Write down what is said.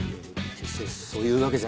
決してそういうわけじゃ。